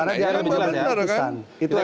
karena di sana benar benar kan